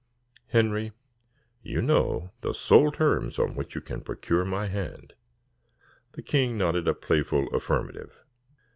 Henry, you know the sole terms on which you can procure my hand." The king nodded a playful affirmative.